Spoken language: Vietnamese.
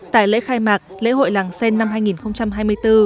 tại lễ khai mạc lễ hội làng sen năm hai nghìn hai mươi bốn